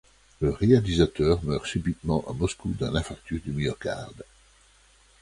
Le réalisateur meurt subitement à Moscou d'un infarctus du myocarde.